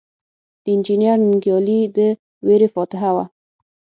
د انجنیر ننګیالي د ورېرې فاتحه وه.